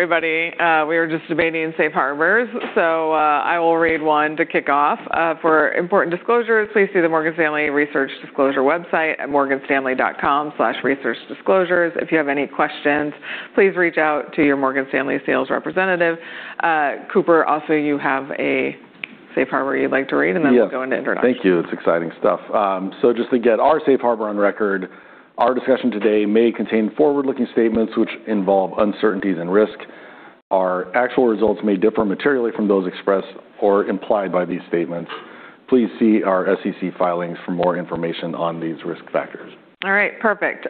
Everybody, we were just debating safe harbors. I will read one to kick off. For important disclosures, please see the Morgan Stanley Research Disclosure website at morganstanley.com/researchdisclosures. If you have any questions, please reach out to your Morgan Stanley sales representative. Cooper, also you have a safe harbor you'd like to read. Yeah We'll go into introductions. Thank you. It's exciting stuff. Just to get our safe harbor on record, our discussion today may contain forward-looking statements which involve uncertainties and risk. Our actual results may differ materially from those expressed or implied by these statements. Please see our SEC filings for more information on these risk factors. All right. Perfect.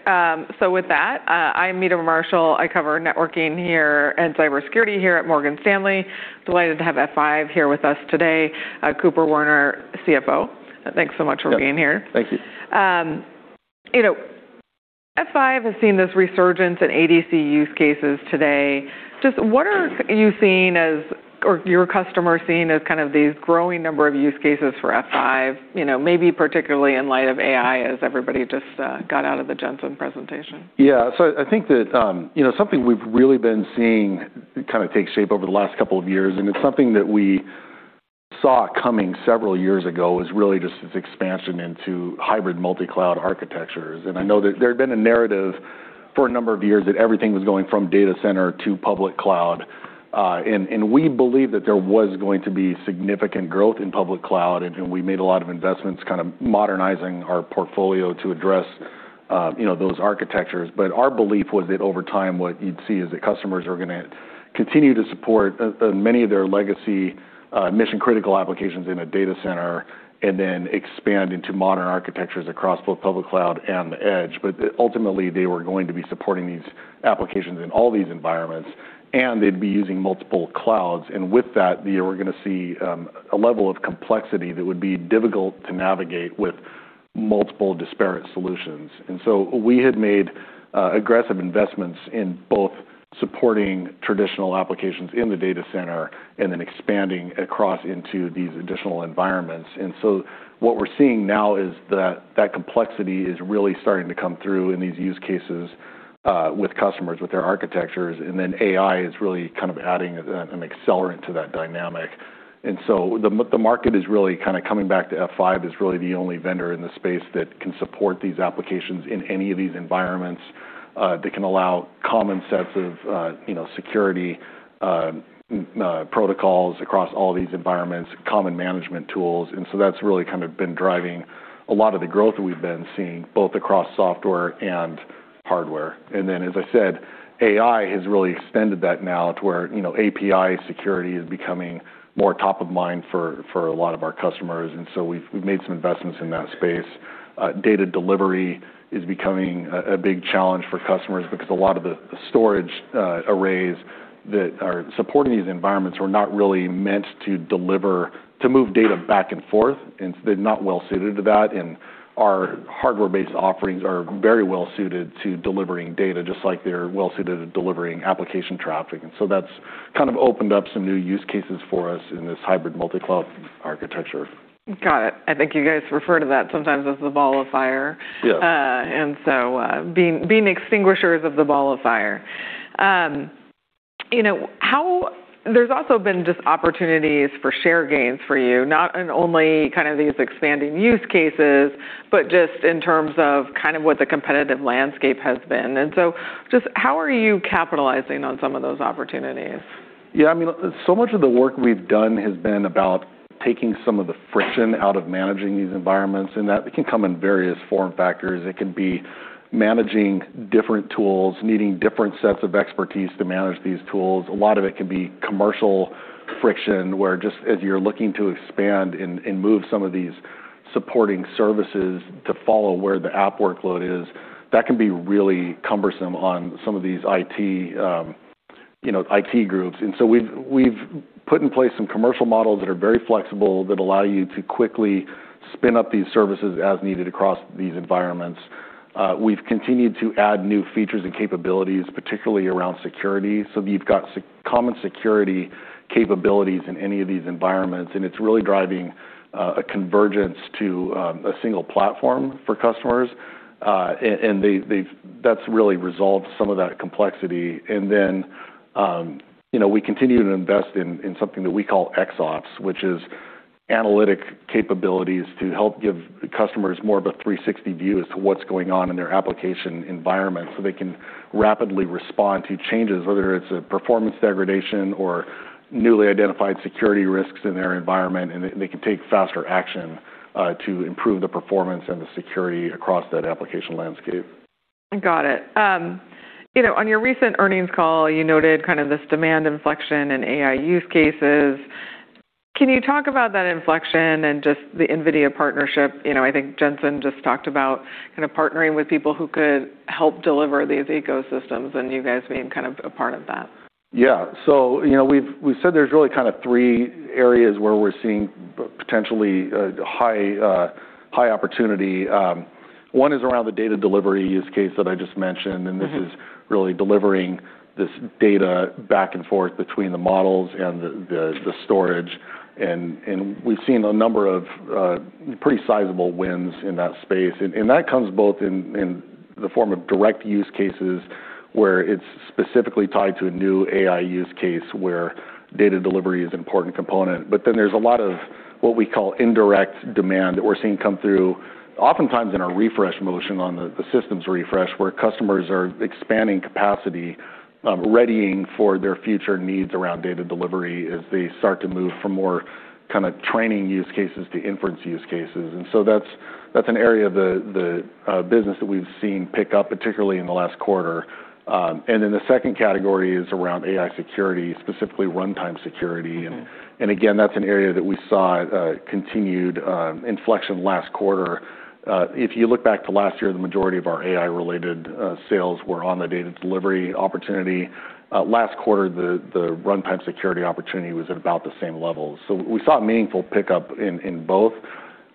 With that, I'm Meta Marshall. I cover networking here and cybersecurity here at Morgan Stanley. Delighted to have F5 here with us today. Cooper Werner, CFO, thanks so much for being here. Yeah. Thank you. You know, F5 has seen this resurgence in ADC use cases today. Just what are you seeing as or your customers seeing as kind of these growing number of use cases for F5, you know, maybe particularly in light of AI as everybody just got out of the Jensen presentation? Yeah. I think that, you know, something we've really been seeing kind of take shape over the last couple of years, and it's something that we saw coming several years ago, was really just this expansion into hybrid multi-cloud architectures. I know that there had been a narrative for a number of years that everything was going from data center to public cloud. We believe that there was going to be significant growth in public cloud, and we made a lot of investments kind of modernizing our portfolio to address, you know, those architectures. Our belief was that over time, what you'd see is that customers are gonna continue to support many of their legacy, mission-critical applications in a data center and then expand into modern architectures across both public cloud and the edge. Ultimately, they were going to be supporting these applications in all these environments, and they'd be using multiple clouds. With that, we were gonna see a level of complexity that would be difficult to navigate with multiple disparate solutions. We had made aggressive investments in both supporting traditional applications in the data center and then expanding across into these additional environments. What we're seeing now is that that complexity is really starting to come through in these use cases, with customers with their architectures, and then AI is really kind of adding an accelerant to that dynamic. The market is really kind of coming back to F5 as really the only vendor in the space that can support these applications in any of these environments, that can allow common sets of, you know, security protocols across all these environments, common management tools. That's really kind of been driving a lot of the growth we've been seeing both across software and hardware. Then, as I said, AI has really extended that now to where, you know, API security is becoming more top of mind for a lot of our customers. We've made some investments in that space. Data delivery is becoming a big challenge for customers because a lot of the storage arrays that are supporting these environments were not really meant to move data back and forth, and they're not well suited to that. Our hardware-based offerings are very well suited to delivering data, just like they're well suited at delivering application traffic. That's kind of opened up some new use cases for us in this hybrid multi-cloud architecture. Got it. I think you guys refer to that sometimes as the Ball of Fire. Yeah. Being extinguishers of the Ball of Fire. You know, there's also been just opportunities for share gains for you, not in only kind of these expanding use cases, but just in terms of kind of what the competitive landscape has been. Just how are you capitalizing on some of those opportunities? Yeah. I mean, so much of the work we've done has been about taking some of the friction out of managing these environments. That can come in various form factors. It can be managing different tools, needing different sets of expertise to manage these tools. A lot of it can be commercial friction, where just as you're looking to expand and move some of these supporting services to follow where the app workload is, that can be really cumbersome on some of these IT, you know, IT groups. We've put in place some commercial models that are very flexible that allow you to quickly spin up these services as needed across these environments. We've continued to add new features and capabilities, particularly around security. You've got common security capabilities in any of these environments, and it's really driving a convergence to a single platform for customers. And that's really resolved some of that complexity. Then, you know, we continue to invest in something that we call XOps, which is analytic capabilities to help give customers more of a 360 view as to what's going on in their application environment, so they can rapidly respond to changes, whether it's a performance degradation or newly identified security risks in their environment, and they can take faster action to improve the performance and the security across that application landscape. Got it. You know, on your recent earnings call, you noted kind of this demand inflection in AI use cases. Can you talk about that inflection and just the NVIDIA partnership? You know, I think Jensen just talked about kind of partnering with people who could help deliver these ecosystems, and you guys being kind of a part of that? Yeah. you know, we've said there's really kind of three areas where we're seeing potentially high opportunity. One is around the data delivery use case that I just mentioned. Mm-hmm. This is really delivering this data back and forth between the models and the storage we've seen a number of pretty sizable wins in that space. That comes both in the form of direct use cases, where it's specifically tied to a new AI use case where data delivery is an important component. There's a lot of what we call indirect demand that we're seeing come through oftentimes in a refresh motion on the systems refresh, where customers are expanding capacity, readying for their future needs around data delivery as they start to move from more kinda training use cases to inference use cases. That's, that's an area of the business that we've seen pick up, particularly in the last quarter. The second category is around AI security, specifically runtime security. Mm-hmm. Again, that's an area that we saw continued inflection last quarter. If you look back to last year, the majority of our AI-related sales were on the data delivery opportunity. Last quarter, the runtime security opportunity was at about the same level. We saw meaningful pickup in both,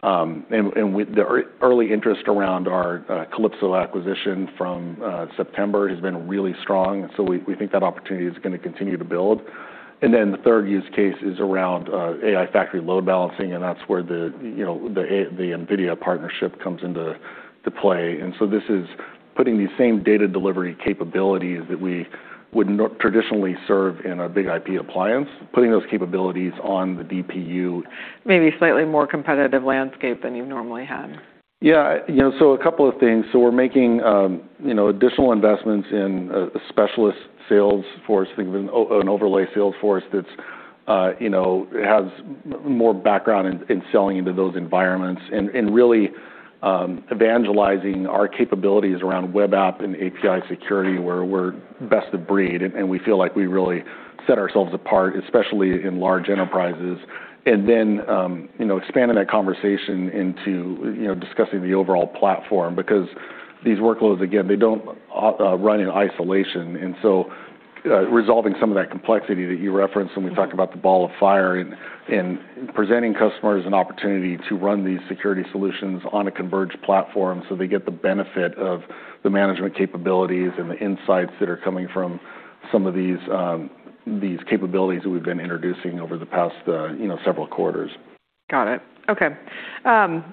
and with the early interest around our CalypsoAI acquisition from September has been really strong, so we think that opportunity is gonna continue to build. The third use case is around AI factory load balancing, and that's where the, you know, the NVIDIA partnership comes into play. This is putting these same data delivery capabilities that we would traditionally serve in a BIG-IP appliance, putting those capabilities on the DPU- Maybe slightly more competitive landscape than you normally have. You know, a couple of things. We're making, you know, additional investments in a specialist sales force, think of an overlay sales force that's, you know, has more background in selling into those environments and really, evangelizing our capabilities around web app and API security, where we're best of breed, and we feel like we really set ourselves apart, especially in large enterprises. Then, you know, expanding that conversation into, you know, discussing the overall platform because these workloads, again, they don't run in isolation. Resolving some of that complexity that you referenced when we talked about the Ball of Fire and presenting customers an opportunity to run these security solutions on a converged platform so they get the benefit of the management capabilities and the insights that are coming from some of these capabilities that we've been introducing over the past, you know, several quarters. Got it. Okay. You know,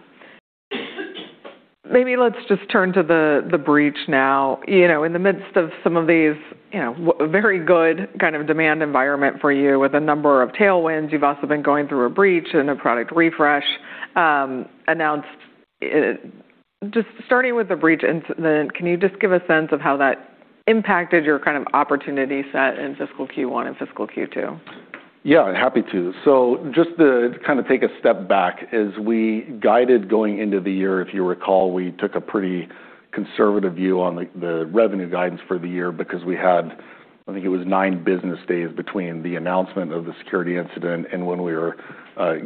maybe let's just turn to the breach now. You know, in the midst of some of these, you know, very good kind of demand environment for you with a number of tailwinds, you've also been going through a breach and a product refresh, announced. Just starting with the breach incident, can you just give a sense of how that impacted your kind of opportunity set in fiscal Q1 and fiscal Q2? Yeah, happy to. Just to kind of take a step back, as we guided going into the year, if you recall, we took a pretty conservative view on the revenue guidance for the year because we had, I think it was nine business days between the announcement of the security incident and when we were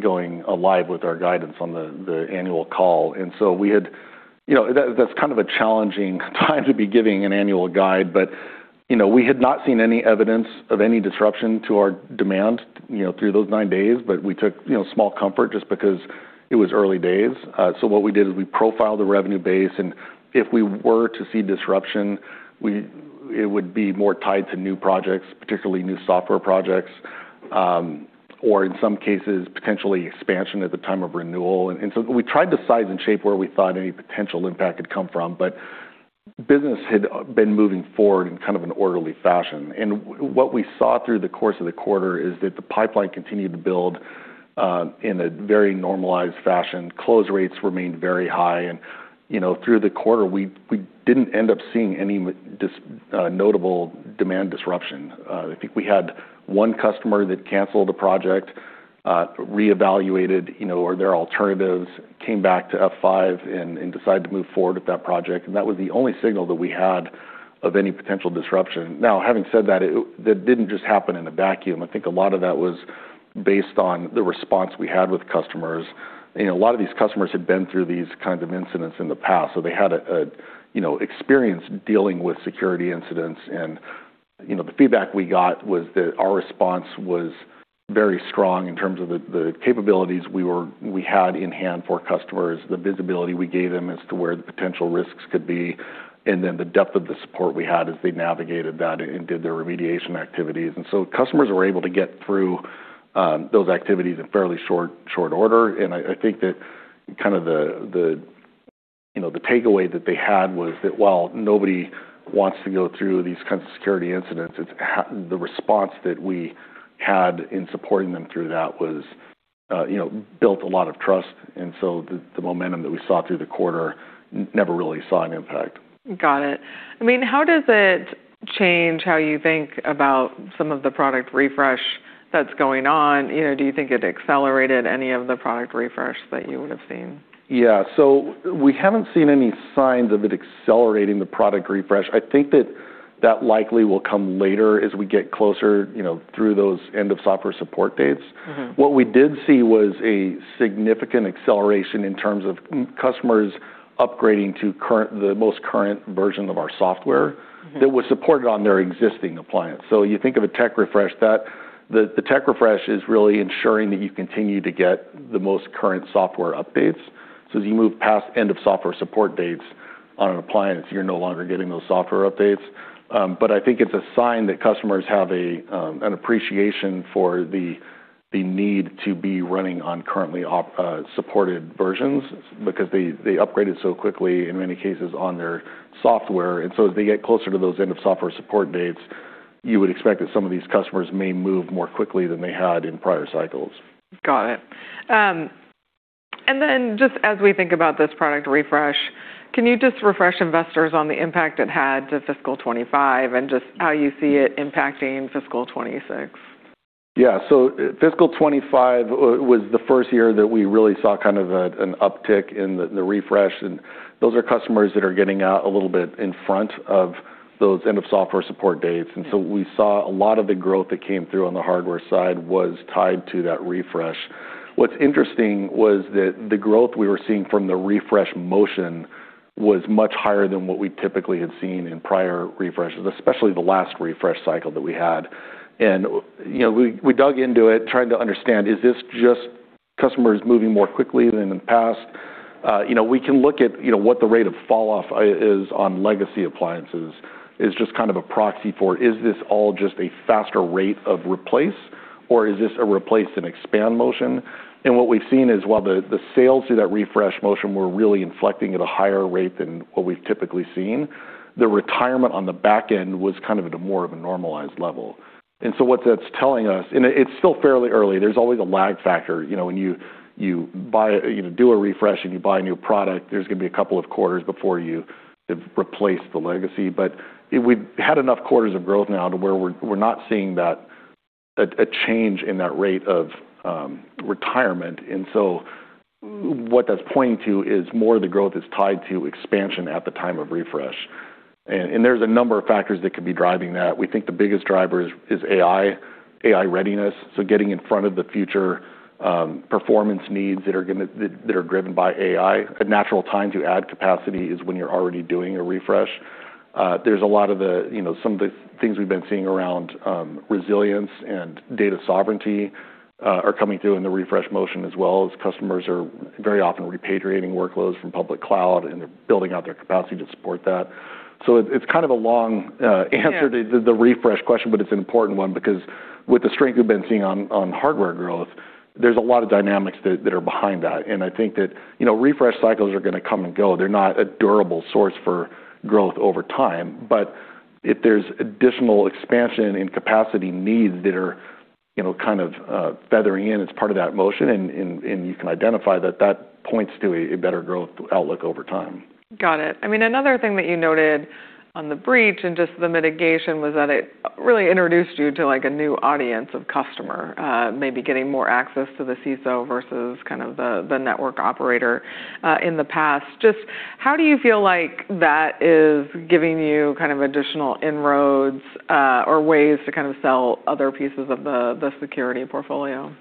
going alive with our guidance on the annual call. You know, that's kind of a challenging time to be giving an annual guide, but, you know, we had not seen any evidence of any disruption to our demand, you know, through those nine days, but we took, you know, small comfort just because it was early days. What we did is we profiled the revenue base, and if we were to see disruption, it would be more tied to new projects, particularly new software projects, or in some cases, potentially expansion at the time of renewal. We tried to size and shape where we thought any potential impact had come from. Business had been moving forward in kind of an orderly fashion. What we saw through the course of the quarter is that the pipeline continued to build, in a very normalized fashion. Close rates remained very high and, you know, through the quarter, we didn't end up seeing any notable demand disruption. I think we had one customer that canceled a project, reevaluated, you know, their alternatives, came back to F5 and decided to move forward with that project. That was the only signal that we had of any potential disruption. Having said that didn't just happen in a vacuum. I think a lot of that was based on the response we had with customers. You know, a lot of these customers had been through these kinds of incidents in the past, they had a, you know, experience dealing with security incidents. You know, the feedback we got was that our response was very strong in terms of the capabilities we had in hand for customers, the visibility we gave them as to where the potential risks could be, the depth of the support we had as they navigated that and did their remediation activities. Customers were able to get through those activities in fairly short order. I think that kind of the, you know, the takeaway that they had was that while nobody wants to go through these kinds of security incidents, the response that we had in supporting them through that was, you know, built a lot of trust. The momentum that we saw through the quarter never really saw an impact. Got it. I mean, how does it change how you think about some of the product refresh that's going on? You know, do you think it accelerated any of the product refresh that you would have seen? Yeah. We haven't seen any signs of it accelerating the product refresh. I think that that likely will come later as we get closer, you know, through those end of software support dates. Mm-hmm. What we did see was a significant acceleration in terms of customers upgrading to the most current version of our software. Mm-hmm... that was supported on their existing appliance. You think of a tech refresh, the tech refresh is really ensuring that you continue to get the most current software updates. As you move past end of software support dates on an appliance, you're no longer getting those software updates. I think it's a sign that customers have an appreciation for the need to be running on currently supported versions because they upgraded so quickly in many cases on their software. As they get closer to those end of software support dates, you would expect that some of these customers may move more quickly than they had in prior cycles. Got it. just as we think about this product refresh, can you just refresh investors on the impact it had to fiscal 25 and just how you see it impacting fiscal 2026? Yeah. fiscal 2025 was the first year that we really saw kind of an uptick in the refresh, and those are customers that are getting out a little bit in front of those end of software support dates. We saw a lot of the growth that came through on the hardware side was tied to that refresh. What's interesting was that the growth we were seeing from the refresh motion was much higher than what we typically had seen in prior refreshes, especially the last refresh cycle that we had. You know, we dug into it trying to understand, is this just customers moving more quickly than in the past? You know, we can look at, you know, what the rate of fall off is on legacy appliances is just kind of a proxy for is this all just a faster rate of replace or is this a replace and expand motion? What we've seen is while the sales through that refresh motion were really inflecting at a higher rate than what we've typically seen, the retirement on the back end was kind of at a more of a normalized level. What that's telling us... It's still fairly early. There's always a lag factor. You know, when you buy a, you know, do a refresh and you buy a new product, there's gonna be a couple of quarters before you have replaced the legacy. We've had enough quarters of growth now to where we're not seeing that, a change in that rate of retirement. What that's pointing to is more of the growth is tied to expansion at the time of refresh. There's a number of factors that could be driving that. We think the biggest driver is AI readiness, so getting in front of the future performance needs that are driven by AI. A natural time to add capacity is when you're already doing a refresh. There's a lot of the, you know, some of the things we've been seeing around resilience and data sovereignty are coming through in the refresh motion as well as customers are very often repatriating workloads from public cloud, and they're building out their capacity to support that. It's kind of a long, answer-. Yeah... to the refresh question, but it's an important one because with the strength we've been seeing on hardware growth, there's a lot of dynamics that are behind that. I think that, you know, refresh cycles are gonna come and go. They're not a durable source for growth over time. If there's additional expansion and capacity needs that are, you know, kind of feathering in as part of that motion and you can identify that that points to a better growth outlook over time. Got it. I mean, another thing that you noted on the breach and just the mitigation was that it really introduced you to, like, a new audience of customer, maybe getting more access to the CISO versus kind of the network operator in the past. Just how do you feel like that is giving you kind of additional inroads or ways to kind of sell other pieces of the security portfolio? Yeah.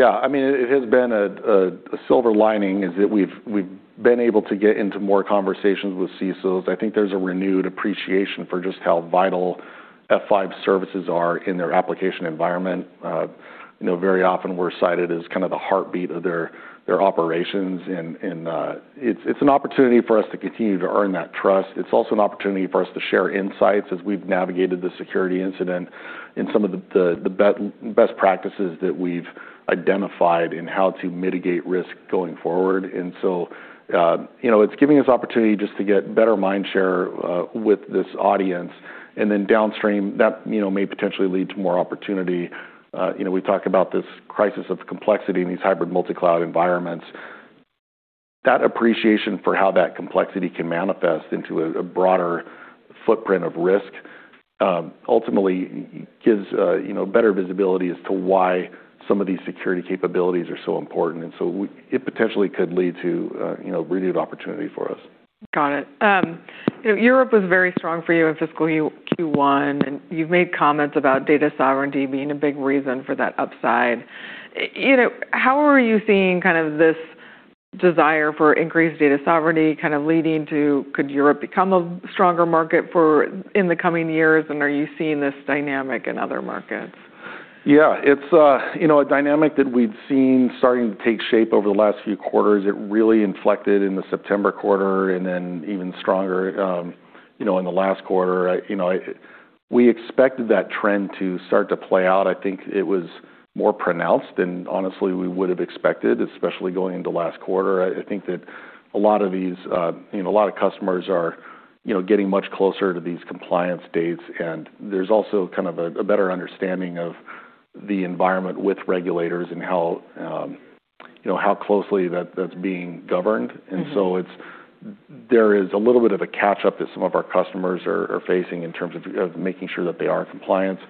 I mean, it has been a silver lining is that we've been able to get into more conversations with CISOs. I think there's a renewed appreciation for just how vital F5 services are in their application environment. You know, very often we're cited as kind of the heartbeat of their operations. It's an opportunity for us to continue to earn that trust. It's also an opportunity for us to share insights as we've navigated the security incident and some of the best practices that we've identified in how to mitigate risk going forward. You know, it's giving us opportunity just to get better mind share with this audience. Then downstream that, you know, may potentially lead to more opportunity. You know, we talk about this crisis of complexity in these hybrid multi-cloud environments. That appreciation for how that complexity can manifest into a broader footprint of risk, ultimately gives, you know, better visibility as to why some of these security capabilities are so important. It potentially could lead to, you know, renewed opportunity for us. Got it. You know, Europe was very strong for you in fiscal Q1, and you've made comments about data sovereignty being a big reason for that upside. You know, how are you seeing kind of this desire for increased data sovereignty kind of leading to could Europe become a stronger market in the coming years, and are you seeing this dynamic in other markets? Yeah. It's, you know, a dynamic that we've seen starting to take shape over the last few quarters. It really inflected in the September quarter and then even stronger, you know, in the last quarter. You know, we expected that trend to start to play out. I think it was more pronounced than honestly we would have expected, especially going into last quarter. I think that a lot of these, you know, a lot of customers are, you know, getting much closer to these compliance dates, and there's also kind of a better understanding of the environment with regulators and how, you know, how closely that's being governed. Mm-hmm. There is a little bit of a catch-up that some of our customers are facing in terms of making sure that they are in compliance.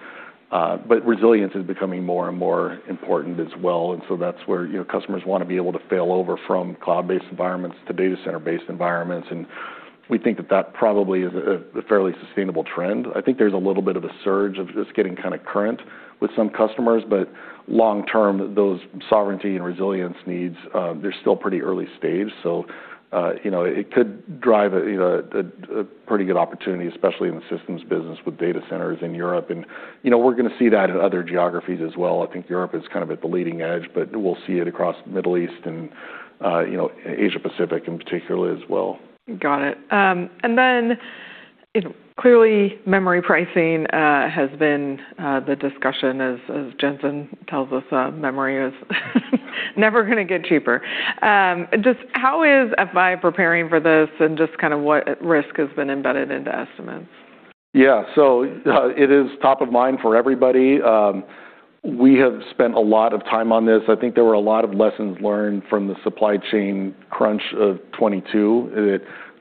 Resilience is becoming more and more important as well. That's where, you know, customers wanna be able to fail over from cloud-based environments to data center-based environments. We think that that probably is a fairly sustainable trend. I think there's a little bit of a surge of just getting kinda current with some customers, but long term, those sovereignty and resilience needs, they're still pretty early stage. You know, it could drive a pretty good opportunity, especially in the systems business with data centers in Europe. You know, we're gonna see that in other geographies as well. I think Europe is kind of at the leading edge. We'll see it across Middle East and, you know, Asia Pacific in particular as well. Got it. You know, clearly memory pricing has been the discussion as Jensen tells us, memory is never gonna get cheaper. Just how is F5 preparing for this and just kind of what risk has been embedded into estimates? Yeah. It is top of mind for everybody. We have spent a lot of time on this. I think there were a lot of lessons learned from the supply chain crunch of 2022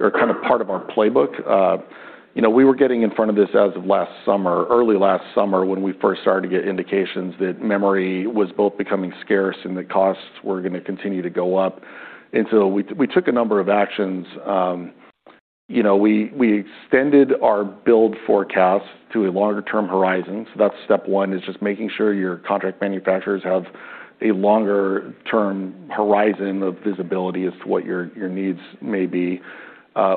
that are kind of part of our playbook. you know, we were getting in front of this as of last summer, early last summer, when we first started to get indications that memory was both becoming scarce and the costs were going to continue to go up. we took a number of actions. you know, we extended our build forecast to a longer-term horizon. That's step one, is just making sure your contract manufacturers have a longer-term horizon of visibility as to what your needs may be.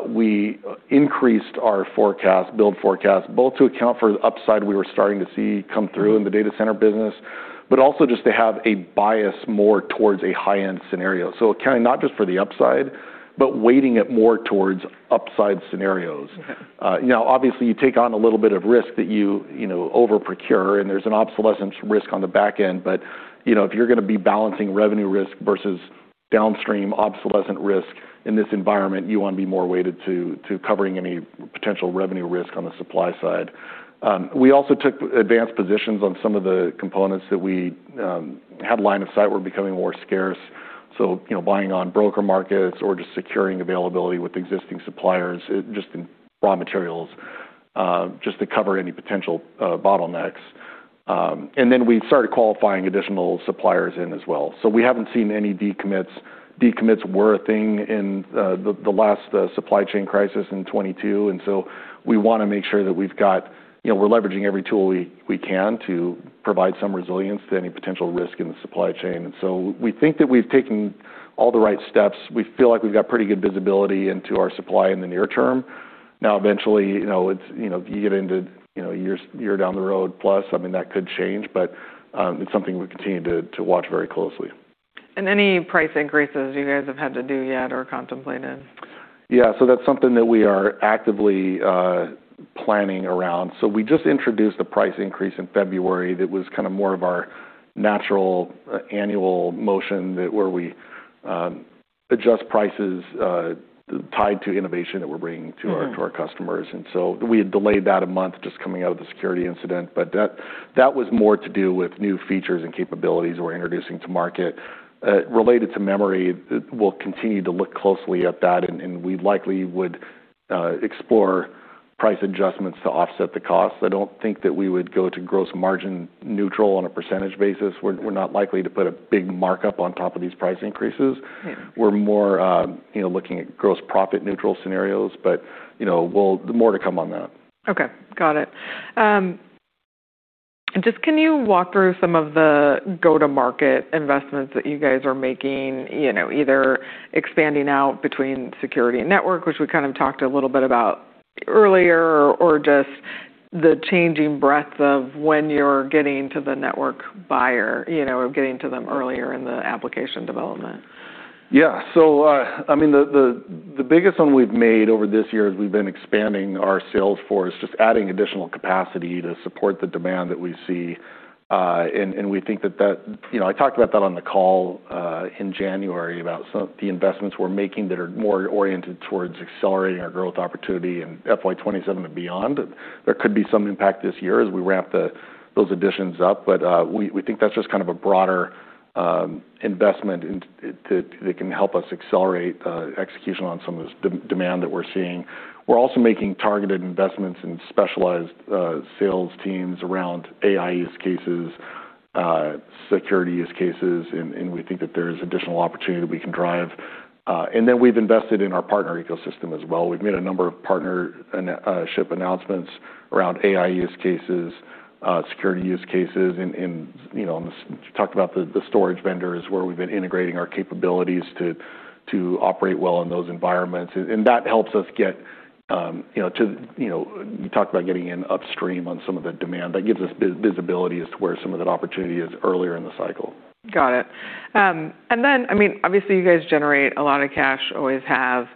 We increased our forecast, build forecast, both to account for the upside we were starting to see come through in the data center business, but also just to have a bias more towards a high-end scenario. Accounting not just for the upside, but weighting it more towards upside scenarios. Okay. You know, obviously, you take on a little bit of risk that you know, over-procure, and there's an obsolescence risk on the back end. You know, if you're gonna be balancing revenue risk versus downstream obsolescent risk in this environment, you wanna be more weighted to covering any potential revenue risk on the supply side. We also took advanced positions on some of the components that we had line of sight were becoming more scarce. You know, buying on broker markets or just securing availability with existing suppliers, just in raw materials, just to cover any potential bottlenecks. We started qualifying additional suppliers in as well. We haven't seen any decommits. Decommits were a thing in the last supply chain crisis in 2022, we wanna make sure that we've got... You know, we're leveraging every tool we can to provide some resilience to any potential risk in the supply chain. We think that we've taken all the right steps. We feel like we've got pretty good visibility into our supply in the near term. Eventually, you know, it's, you know, you get into, you know, year down the road plus, I mean, that could change, but it's something we continue to watch very closely. Any price increases you guys have had to do yet or contemplated? That's something that we are actively planning around. We just introduced a price increase in February that was kind of more of our natural annual motion where we adjust prices tied to innovation that we're bringing to our customers. We had delayed that a month just coming out of the security incident. That was more to do with new features and capabilities we're introducing to market. Related to memory, we'll continue to look closely at that, and we likely would explore price adjustments to offset the costs. I don't think that we would go to gross margin neutral on a percentage basis. We're not likely to put a big markup on top of these price increases. Yeah. We're more, you know, looking at gross profit neutral scenarios. You know, More to come on that. Okay. Got it. just can you walk through some of the go-to-market investments that you guys are making, you know, either expanding out between security and network, which we kind of talked a little bit about earlier, or just the changing breadth of when you're getting to the network buyer, you know, or getting to them earlier in the application development? Yeah. I mean, the biggest one we've made over this year is we've been expanding our sales force, just adding additional capacity to support the demand that we see. And we think that You know, I talked about that on the call in January about some of the investments we're making that are more oriented towards accelerating our growth opportunity in FY 2027 and beyond. There could be some impact this year as we ramp those additions up. We think that's just kind of a broader investment to that can help us accelerate execution on some of this demand that we're seeing. We're also making targeted investments in specialized sales teams around AI use cases, security use cases, and we think that there's additional opportunity we can drive. Then we've invested in our partner ecosystem as well. We've made a number of partnership announcements around AI use cases, security use cases in, you know, on the talked about the storage vendors, where we've been integrating our capabilities to operate well in those environments. That helps us get, you know, to, you know, you talk about getting in upstream on some of the demand, that gives us visibility as to where some of that opportunity is earlier in the cycle. Got it. I mean, obviously you guys generate a lot of cash, always have.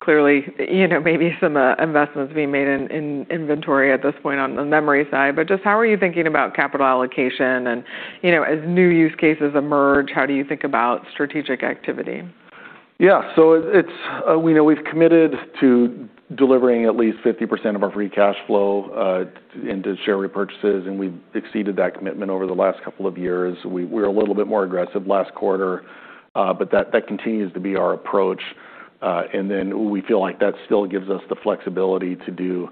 Clearly, you know, maybe some investments being made in inventory at this point on the memory side. Just how are you thinking about capital allocation? You know, as new use cases emerge, how do you think about strategic activity? It's, we know we've committed to delivering at least 50% of our free cash flow into share repurchases, and we've exceeded that commitment over the last couple of years. We're a little bit more aggressive last quarter, that continues to be our approach. We feel like that still gives us the flexibility to do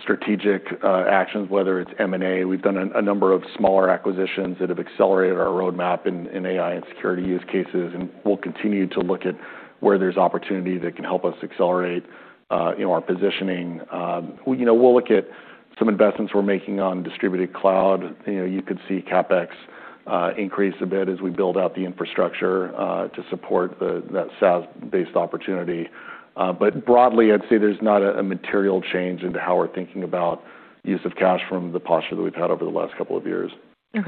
strategic actions, whether it's M&A. We've done a number of smaller acquisitions that have accelerated our roadmap in AI and security use cases, and we'll continue to look at where there's opportunity that can help us accelerate, you know, our positioning. We, you know, we'll look at some investments we're making on Distributed Cloud. You know, you could see CapEx increase a bit as we build out the infrastructure to support that SaaS-based opportunity. broadly, I'd say there's not a material change into how we're thinking about use of cash from the posture that we've had over the last couple of years. Just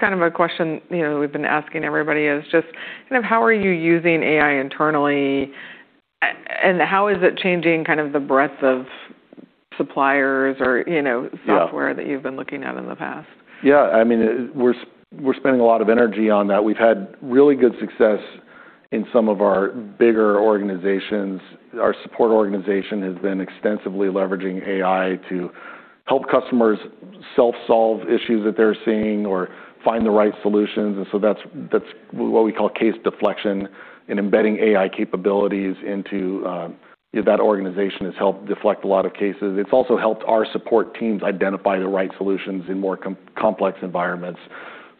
kind of a question, you know, we've been asking everybody is just kind of how are you using AI internally, and how is it changing kind of the breadth of Suppliers? Yeah... software that you've been looking at in the past. Yeah, I mean, we're spending a lot of energy on that. We've had really good success in some of our bigger organizations. Our support organization has been extensively leveraging AI to help customers self-solve issues that they're seeing or find the right solutions, and so that's what we call case deflection and embedding AI capabilities into that organization has helped deflect a lot of cases. It's also helped our support teams identify the right solutions in more complex environments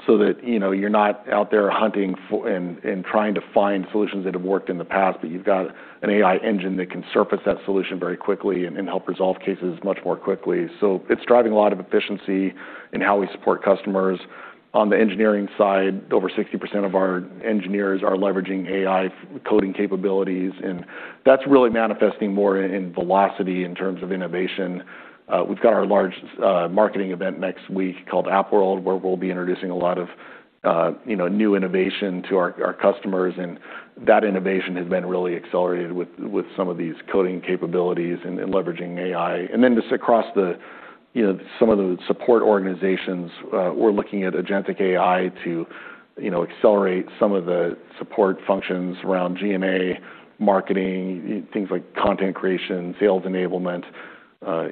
so that, you know, you're not out there hunting and trying to find solutions that have worked in the past, but you've got an AI engine that can surface that solution very quickly and help resolve cases much more quickly. It's driving a lot of efficiency in how we support customers. On the engineering side, over 60% of our engineers are leveraging AI coding capabilities, and that's really manifesting more in velocity in terms of innovation. We've got our large marketing event next week called AppWorld, where we'll be introducing a lot of, you know, new innovation to our customers, and that innovation has been really accelerated with some of these coding capabilities and leveraging AI. Across the, you know, some of the support organizations, we're looking at agentic AI to, you know, accelerate some of the support functions around G&A, marketing, things like content creation, sales enablement.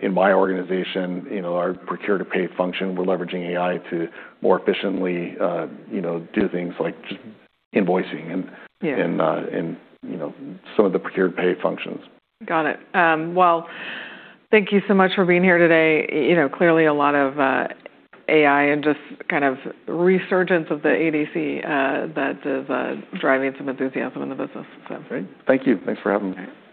In my organization, you know, our procure-to-pay function, we're leveraging AI to more efficiently, you know, do things like just invoicing. Yeah... and, you know, some of the procure-to-pay functions. Got it. Thank you so much for being here today. You know, clearly a lot of AI and just kind of resurgence of the ADC, that is driving some enthusiasm in the business. Great. Thank you. Thanks for having me. All right. Bye-bye.